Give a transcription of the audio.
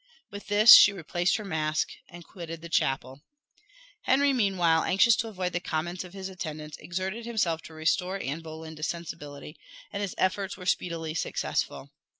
With this she replaced her mask, and quitted the chapel. Henry, meanwhile, anxious to avoid the comments of his attendants, exerted himself to restore Anne Boleyn to sensibility, and his efforts were speedily successful.